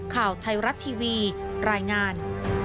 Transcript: ข่าวไทยรัฐทีวีรายงาน